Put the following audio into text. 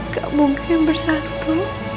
gak mungkin bersatu